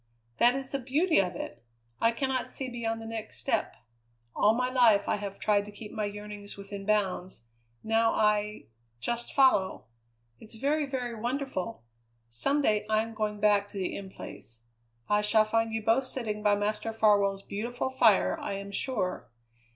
"That is the beauty of it! I cannot see beyond the next step. All my life I have tried to keep my yearnings within bounds; now I just follow. It's very, very wonderful. Some day I am going back to the In Place. I shall find you both sitting by Master Farwell's beautiful fire, I am sure.